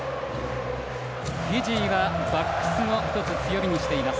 フィジーはバックスを１つ強みにしています。